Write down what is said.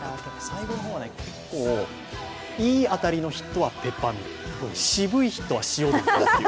最後の方は結構、いい当たりのヒットはペッパーミル、渋いヒットは塩という。